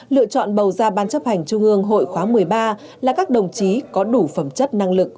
lựa chọn bầu ra ban chấp hành trung ương hội khóa một mươi ba là các đồng chí có đủ phẩm chất năng lực